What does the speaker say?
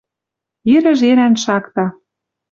Ирӹ жерӓн шакта